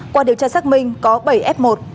qua điều tra xác minh có bảy f một